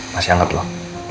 masih hangat loh